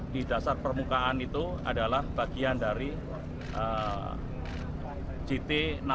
di dasar permukaan itu adalah bagian dari jt enam ratus sepuluh